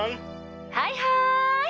はいはい！